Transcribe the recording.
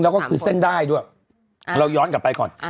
เราทำอย่างต้องกัน